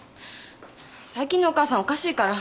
最近のお母さんおかしいから。